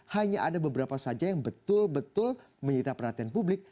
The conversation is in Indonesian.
hanya ada beberapa saja yang betul betul menyita perhatian publik